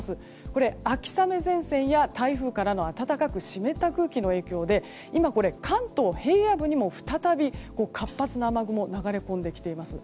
これ、秋雨前線や、台風からの暖かく湿った空気の影響で今、関東平野部にも再び活発な雨雲が流れ込んできています。